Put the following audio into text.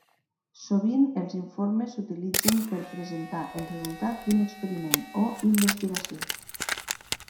Sovint els informes s'utilitzen per presentar el resultat d'un experiment o investigació.